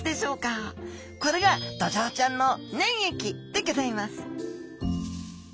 これがドジョウちゃんの粘液でギョざいます